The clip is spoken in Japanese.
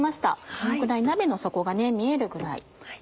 このくらい鍋の底が見えるぐらいです。